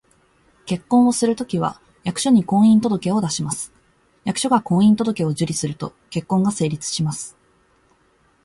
結婚をするときは、役所に「婚姻届」を出します。役所が「婚姻届」を受理すると、結婚が成立します